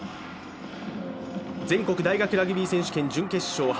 全国大学ラグビー選手権準決勝。